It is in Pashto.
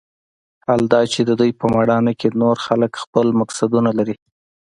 حال دا چې د دوى په مېړانه کښې نور خلق خپل مقصدونه لري.